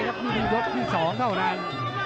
แล้วไม่มีรถที่สองเท่านั้น